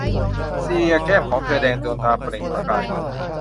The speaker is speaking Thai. ซีเลีย แก้มของเธอแดง ดวงตาเปล่งประกาย